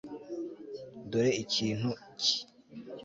Dore ikintu ki